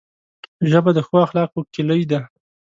ژبه د ښو اخلاقو کلۍ ده